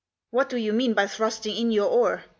" What do you mean by thrusting in your oar